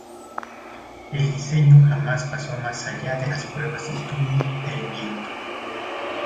El diseño jamás pasó más allá de las pruebas del túnel de viento.